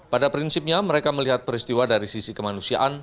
pada prinsipnya mereka melihat peristiwa dari sisi kemanusiaan